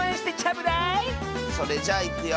それじゃいくよ。